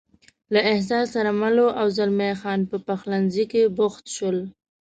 له احساس سره مل و، او زلمی خان په پخلنځي کې بوخت شول.